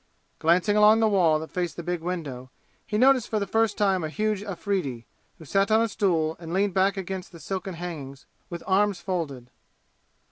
Glancing along the wall that faced the big window, he noticed for the first time a huge Afridi, who sat on a stool and leaned back against the silken hangings with arms folded.